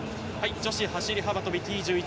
女子走り幅跳びＴ１１